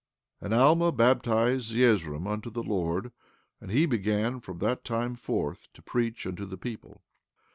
15:12 And Alma baptized Zeezrom unto the Lord; and he began from that time forth to preach unto the people.